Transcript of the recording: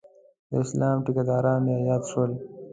د اسلام ټیکداران رایاد شول.